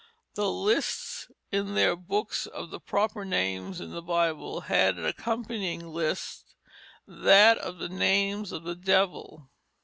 The lists in their books of the proper names in the Bible had an accompanying list that of names of the devil.